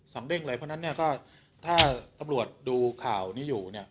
เร่งเลยเพราะฉะนั้นเนี่ยก็ถ้าตำรวจดูข่าวนี้อยู่เนี่ย